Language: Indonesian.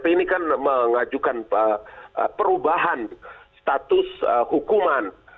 ini kan mengajukan perubahan status hukuman